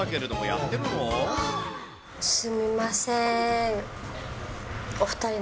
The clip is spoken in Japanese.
すみません。